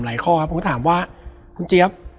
แล้วสักครั้งหนึ่งเขารู้สึกอึดอัดที่หน้าอก